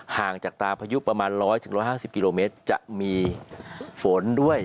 ห่างจากตาพายุประมาณ๑๐๐๑๕๐กิโลเมตรจะมีฝนด้วย